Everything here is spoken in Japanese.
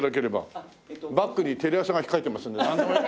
バックにテレ朝が控えてますんでなんでもなんでもできますよ。